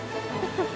ハハハ